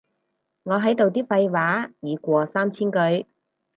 我喺度啲廢話已過三千句